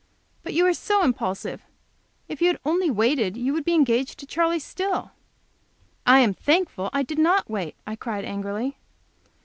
"But you are so impulsive! If you had only waited you would be engaged to Charley still!" "I am thankful I did not wait," I cried, angrily.